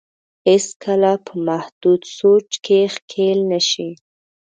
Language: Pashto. هېڅ کله په محدود سوچ کې ښکېل نه شي.